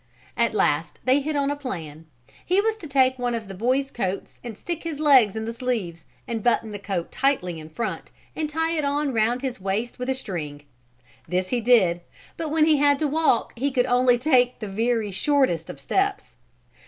At last they hit on a plan. He was to take one of the boys' coats and stick his legs in the sleeves and button the coat tightly in front and tie it on round his waist with a string. This he did, but when he had to walk he could only take the very shortest of steps.